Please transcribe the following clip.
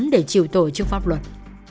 để chịu tội trước pháp luật